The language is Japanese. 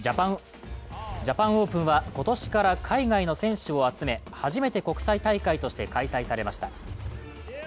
ジャパンオープンは今年から海外の選手を集め、初めて国際大会として開催されました。